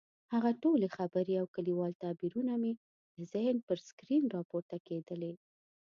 هغه ټولې خبرې او کلیوال تعبیرونه مې د ذهن پر سکرین راپورته کېدلې.